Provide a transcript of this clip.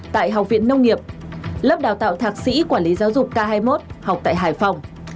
tại học viện nông nghiệp lớp đào tạo thạc sĩ quản lý giáo dục k hai mươi một học tại hải phòng